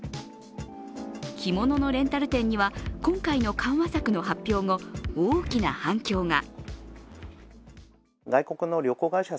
着物のレンタル店には今回の緩和策の発表後、大きな反響が。